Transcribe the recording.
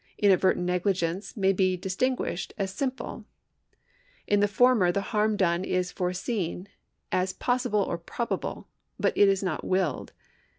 Inadvertent negligence may be distinguished as simple. In the former the harm done is foreseen as possible or probable, but it is not willed.